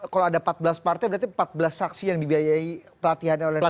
kalau ada empat belas partai berarti empat belas saksi yang dibiayai pelatihannya oleh dpr